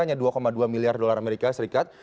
hanya dua dua miliar dolar amerika serikat